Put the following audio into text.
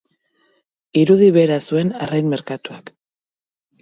Irudi bera zuen arrain merkatuak.